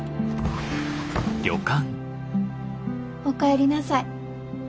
お帰りなさい。